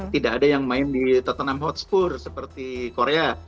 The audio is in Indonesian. tidak ada yang main di tottenham hotspur seperti korea